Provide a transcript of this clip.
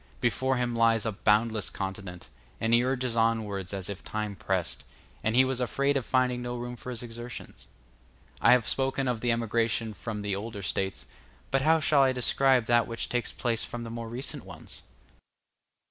Before him lies a boundless continent, and he urges onwards as if time pressed, and he was afraid of finding no room for his exertions. I have spoken of the emigration from the older States, but how shall I describe that which takes place from the more recent ones?